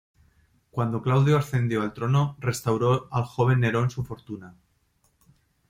Cuando Claudio ascendió al trono restauró al joven Nerón su fortuna.